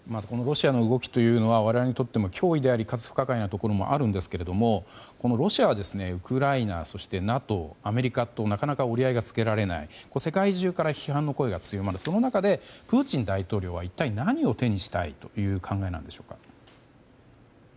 ロシアの動きは我々にとっても脅威でありかつ不可解なところもあるんですけどロシアはウクライナそしてＮＡＴＯ、アメリカとなかなか折り合いがつけられない世界中から批判の声が強まるその中でプーチン大統領は一体何を手にしたいという考えなんでしょうか？